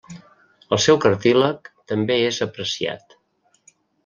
El seu cartílag també és apreciat.